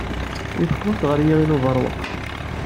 I teqqlemt ɣer Yiɣil Ubeṛwaq?